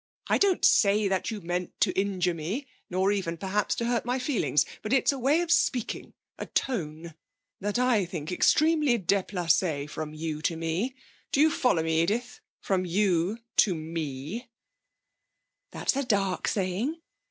I don't say that you meant to injure me, nor even, perhaps, to hurt my feelings. But it's a way of speaking a tone that I think extremely déplacé, from you to me. Do you follow me, Edith? From you to me.' 'That's a dark saying.